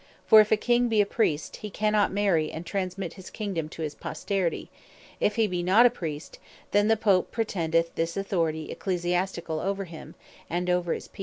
For if a King be a Priest, he cannot Marry, and transmit his Kingdome to his Posterity; If he be not a Priest then the Pope pretendeth this Authority Ecclesiasticall over him, and over his people.